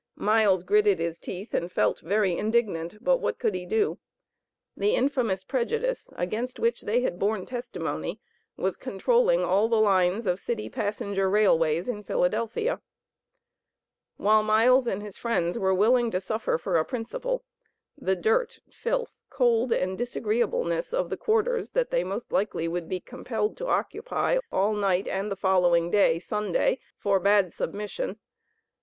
Miles gritted his teeth and felt very indignant, but what could he do? The infamous prejudice against which they had borne testimony was controlling all the lines of city passenger railways in Philadelphia. While Miles and his friends were willing to suffer for a principle, the dirt, filth, cold, and disagreeableness of the quarters that they most likely would be compelled to occupy all night and the following day (Sunday) forbade submission.